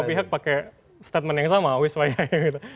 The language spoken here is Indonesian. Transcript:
tapi kayaknya semua pihak pakai statement yang sama wiswayai gitu